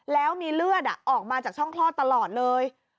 แล้วมีเลือดออกมาจากช่องคลอดตลอดเลย